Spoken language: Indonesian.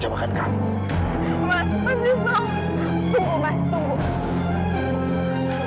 aku baru sadar sekarang apa maksudnya mas